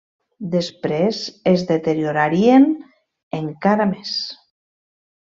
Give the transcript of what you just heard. Després es deteriorarien encara més.